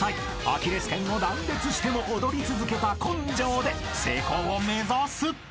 アキレス腱を断裂しても踊り続けた根性で成功を目指す］